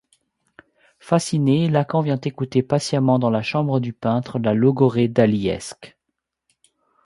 Fasciné, Lacan vient écouter patiemment dans la chambre du peintre la logorrhée dalíesque.